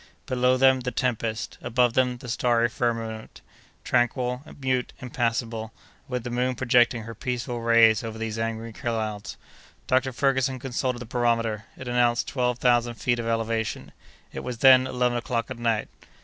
Below them, the tempest; above them, the starry firmament, tranquil, mute, impassible, with the moon projecting her peaceful rays over these angry clouds. Dr. Ferguson consulted the barometer; it announced twelve thousand feet of elevation. It was then eleven o'clock at night.